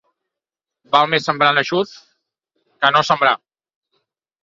Val més sembrar en eixut que no sembrar.